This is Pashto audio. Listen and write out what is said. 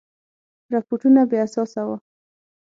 رپوټونه بې اساسه وه.